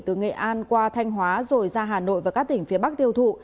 từ nghệ an qua thanh hóa rồi ra hà nội và các tỉnh phía bắc tiêu thụ